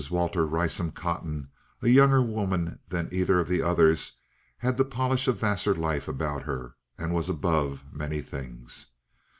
Walter Rysam Cotton, a younger woman than either of the others, had the polish of Vassar life about her, and was "above" many things.